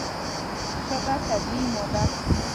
شګه طبیعي ماده ده.